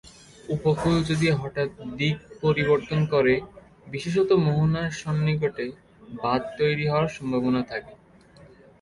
উপকূল যদি হঠাৎ দিক পরিবর্তন করে, বিশেষত মোহনার সন্নিকটে, বাঁধ তৈরি হওয়ার সম্ভাবনা থাকে।